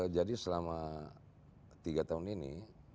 jadi selama tiga tahun ini